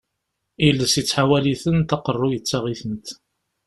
Iles ittḥawal-itent, aqerru yettaɣ-itent.